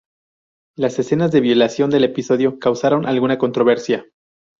Las escenas de violación del episodio causaron alguna controversia.